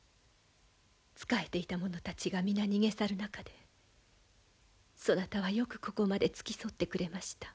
仕えていた者たちが皆逃げ去る中でそなたはよくここまで付き添ってくれました。